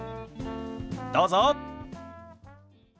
どうぞ。